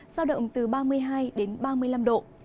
giao động từ ba mươi hai đến ba mươi năm độ